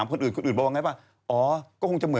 เข้าใจเย็นใจร่ม